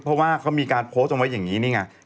เพราะว่าเขามีการโพสต์เอาไว้อย่างนี้นี่ไง